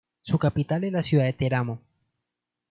Su capital es la ciudad de Teramo.